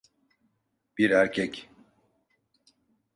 Bir erkek.